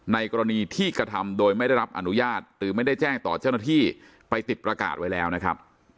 ในกรณีที่กระทำโดยไม่ได้รับอนุญาตหรือไม่ได้แจ้งต่อเจ้าหน้าที่ไปติดประกาศไว้แล้วนะครับ